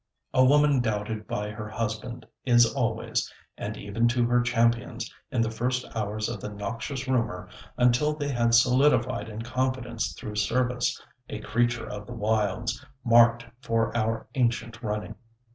A woman doubted by her husband, is always, and even to her champions in the first hours of the noxious rumour, until they had solidified in confidence through service, a creature of the wilds, marked for our ancient running.